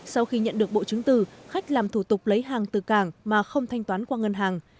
sau khi nhận được bộ chứng từ khách làm thủ tục lấy hàng từ cảng mà không thanh toán qua ngân hàng